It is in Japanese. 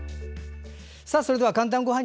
それでは「かんたんごはん」。